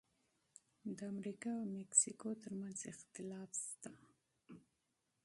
د امریکا او مکسیکو ترمنځ اختلاف شته.